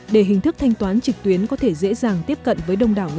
để hình thức thanh toán trực tuyến có thể dễ dàng tiếp cận với đông đảo việt nam